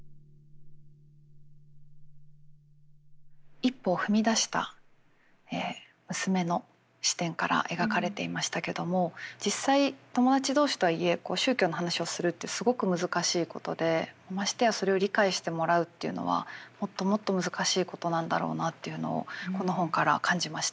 一歩踏み出した娘の視点から描かれていましたけども実際友達同士とはいえ宗教の話をするってすごく難しいことでましてやそれを理解してもらうっていうのはもっともっと難しいことなんだろうなっていうのをこの本から感じましたね。